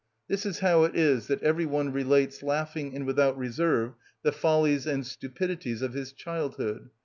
This is how it is that every one relates laughing and without reserve the follies and stupidities of his childhood.